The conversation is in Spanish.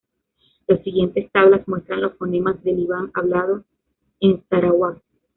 Las siguientes tablas muestran los fonemas del iban hablado en Sarawak.